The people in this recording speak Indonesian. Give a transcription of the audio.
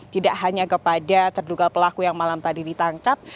tidak hanya kepada terduga pelaku yang malam tadi ditangkap